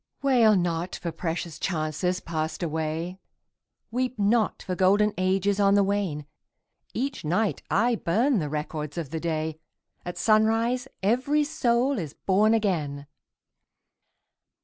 [ 27 ] Selected Poems Wail not for precious chances passed away, Weep not for golden ages on the wane ! Each night I burn the records of the day, — At sunrise every soul is born again